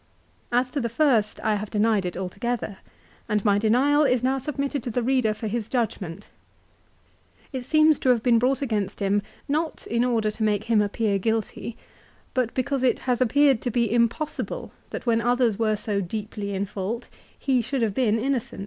As to the first I have denied it altogether, and my denial is now submitted to the reader for his judg ment. It seems to have been brought against him, not in order to make him appear guilty, but because it has appeared to be impossible that when others were so deeply in fault, he should have been innocent.